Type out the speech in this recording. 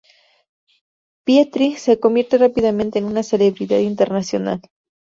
Pietri se convierte rápidamente en una celebridad internacional.